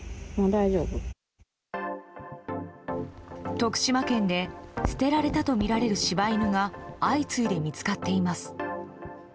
徳島県で捨てられたとみられる柴犬が相次いで見つかっています。